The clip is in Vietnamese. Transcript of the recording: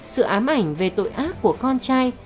sự ám ảnh về tội ác của con trai